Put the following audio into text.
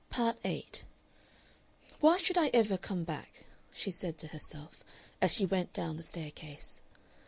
Part 8 "Why should I ever come back?" she said to herself, as she went down the staircase.